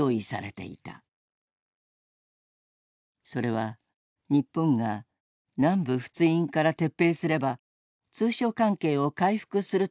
それは日本が南部仏印から撤兵すれば通商関係を回復するというものだった。